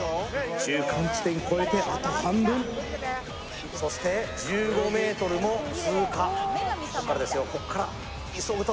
中間地点越えてあと半分そして１５ｍも通過ここからですよ